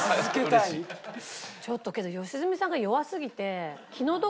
ちょっとけど良純さんが弱すぎて気の毒。